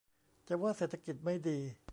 จะว่าเศรษฐกิจไม่ดี